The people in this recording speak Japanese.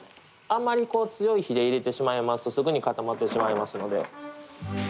あんまり強い火で入れてしまいますとすぐに固まってしまいますので。